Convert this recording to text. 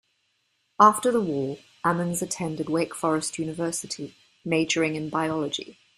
After the war, Ammons attended Wake Forest University, majoring in biology.